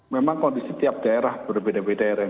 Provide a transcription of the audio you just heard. memang kondisi tiap daerah berbeda beda